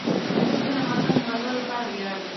کندز سیند د افغانستان د هیوادوالو لپاره ویاړ دی.